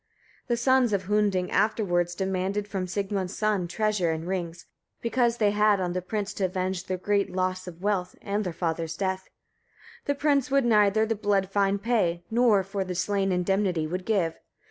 11. The sons of Hunding afterwards demanded from Sigmund's son treasure and rings; because they had on the prince to avenge their great loss of wealth, and their father's death. 12. The prince would neither the blood fine pay, nor for the slain indemnity would give.